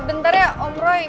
eh bentar ya om roy